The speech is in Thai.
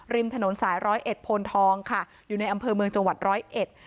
ริมถนนสายร้อยเอ็ดโพนทองค่ะอยู่ในอำเภอเมืองจังหวัดร้อยเอ็ด